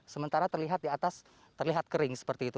sementara terlihat di atas terlihat kering